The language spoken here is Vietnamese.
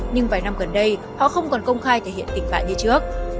nhưng vài năm gần đây họ không còn công khai thể hiện tình bạn như trước